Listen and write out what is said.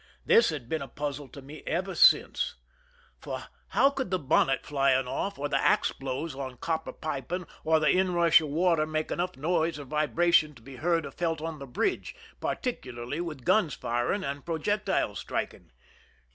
This has been a puzzle to me ever since. For how could the 93 THE SINKING OF THE "MEEEIMAC" bonnet flying off, or the ax blows on copper piping, or the inrush of water make enough noise or vibra tion to be heard or felt on the bridge, particularly with guns firing and projectiles striking?